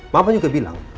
mama juga bilang